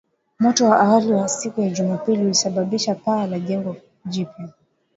Moto wa awali wa siku ya Jumapili ulisababisha paa la jengo jipya